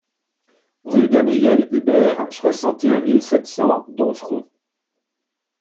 Rue Gabriel Hubert, soixante et un mille sept cents Domfront